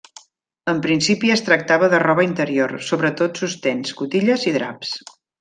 En principi es tractava de roba interior, sobretot sostens, cotilles i draps.